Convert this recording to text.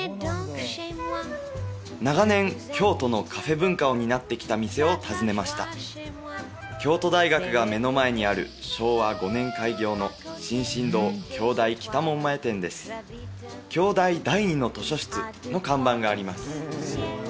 長年京都のカフェ文化を担ってきた店を訪ねました京都大学が目の前にある昭和５年開業の「京大第二の図書室」の看板があります